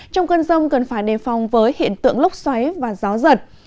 trong cơn rông cần phải đề phòng với hiện tượng lốc xoáy và gió giật